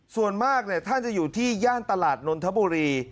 ส่วนมากท่านจะอยู่ที่ย่านตลาดนนทบุรี